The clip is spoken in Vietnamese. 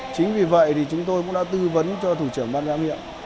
chính vì vậy chúng tôi cũng đã tư vấn cho thủ trưởng ban giáo nghiệp